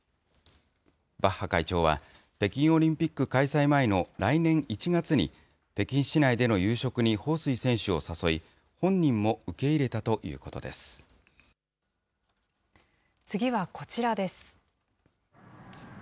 バッハ会長は、北京オリンピック開催前の来年１月に、北京市内での夕食に彭帥選手を誘い、本人も受け入れたということ次はこちらです。